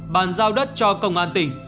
bàn giao đất cho công an tỉnh